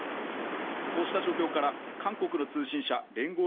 こうした状況から韓国の通信社聯合